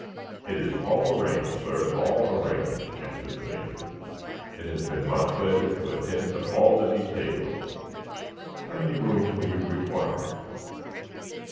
"It is all arranged, sah, all arranged," answered the Major. "It has been my pleasure to attend to all of the details. How many rooms will you require?"